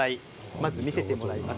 まず、見せてもらいます。